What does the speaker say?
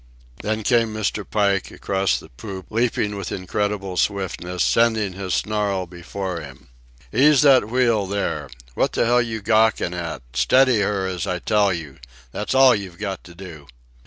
Then came Mr. Pike, across the poop, leaping with incredible swiftness, sending his snarl before him. "Ease that wheel there! What the hell you gawkin' at? Steady her as I tell you. That's all you got to do!"